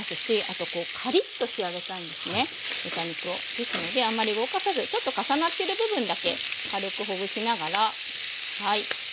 ですのであんまり動かさずちょっと重なってる部分だけ軽くほぐしながらはい。